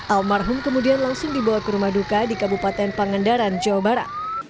almarhum kemudian langsung dibawa ke rumah duka di kabupaten pangandaran jawa barat